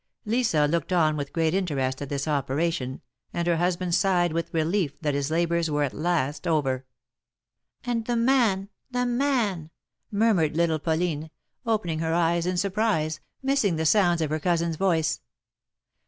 Lisa looked on with great interest at this operation, and her husband sighed with relief that his labors were at last over. '^And the man — the man !" murmured little Pauline, opening her eyes in surprise, missing the sounds of her cousin's voice.